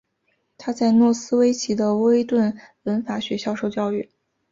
他在诺斯威奇的威顿文法学校受教育。